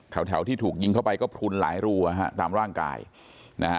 แถวแถวที่ถูกยิงเข้าไปก็พลุนหลายรูอ่ะฮะตามร่างกายนะฮะ